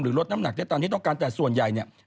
ลดน้ำหนักได้ตามที่ต้องการแต่ส่วนใหญ่เนี่ย